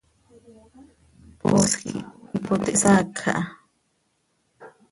Poosj quih ipot ihsaacj aha.